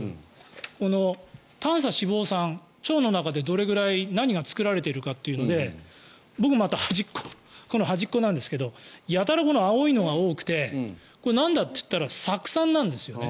この短鎖脂肪酸、腸の中で何がどれくらい作られているのかというので僕、また端っここの端っこなんですがやたらこの青いのが多くてこれ、なんだといったら酢酸なんですよね。